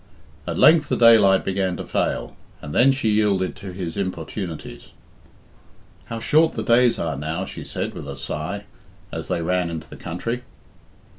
At length the daylight began to fail, and then she yielded to his importunities. "How short the days are now," she said with a sigh, as they ran into the country.